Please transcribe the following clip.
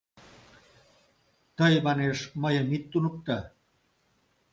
— Тый, манеш, мыйым ит туныкто.